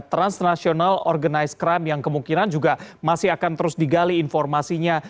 transnational organized crime yang kemungkinan juga masih akan terus digali informasinya